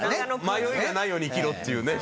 迷いがないように生きろっていうね